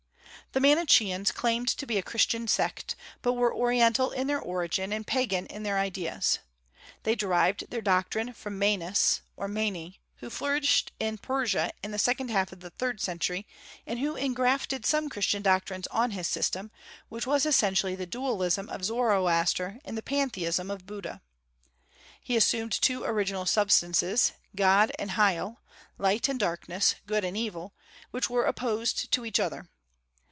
The Manicheans claimed to be a Christian sect, but were Oriental in their origin and Pagan in their ideas. They derived their doctrines from Manes, or Mani, who flourished in Persia in the second half of the third century, and who engrafted some Christian doctrines on his system, which was essentially the dualism of Zoroaster and the pantheism of Buddha. He assumed two original substances, God and Hyle, light and darkness, good and evil, which were opposed to each other.